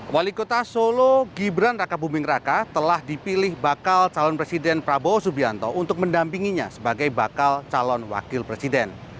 wali kota solo gibran raka buming raka telah dipilih bakal calon presiden prabowo subianto untuk mendampinginya sebagai bakal calon wakil presiden